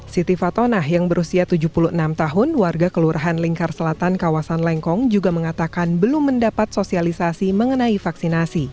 siti fatonah yang berusia tujuh puluh enam tahun warga kelurahan lingkar selatan kawasan lengkong juga mengatakan belum mendapat sosialisasi mengenai vaksinasi